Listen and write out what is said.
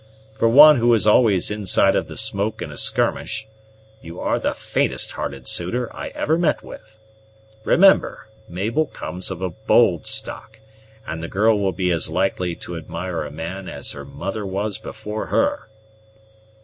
For one who is always inside of the smoke in a skirmish, you are the faintest hearted suitor I ever met with. Remember, Mabel comes of a bold stock; and the girl will be as likely to admire a man as her mother was before her."